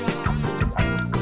kamu di mana